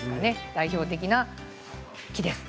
代表的な木です。